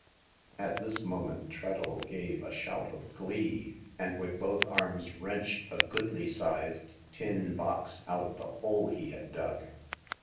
At this moment Treadle gave a shout of glee, and with both arms wrenched a goodly sized tin box out of the hole he had dug.